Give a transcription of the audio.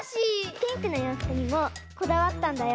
ピンクのようふくにもこだわったんだよ。